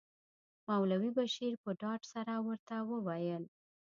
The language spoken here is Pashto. مولوي بشیر په ډاډ سره ورته وویل.